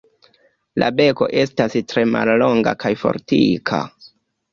La beko estas tre mallonga kaj fortika.